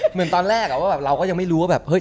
เหมือนตอนแรกอะเราก็ยังไม่รู้ว่า